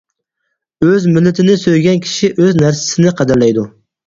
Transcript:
ئۆز مىللىتىنى سۆيگەن كىشى ئۆز نەرسىسىنى قەدىرلەيدۇ.